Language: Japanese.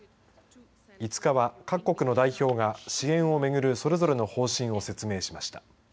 ５日は、各国の代表が支援を巡るそれぞれの方針を説明しました。